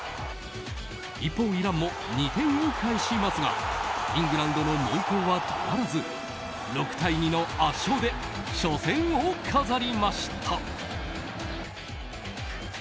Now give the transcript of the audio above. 一方、イランも２点を返しますがイングランドの猛攻は止まらず６対２の圧勝で初戦を飾りました。